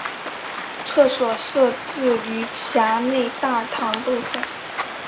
厕所设置于闸内大堂部分。